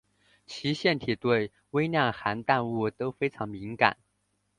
其腺体对微量的含氮物都非常敏感。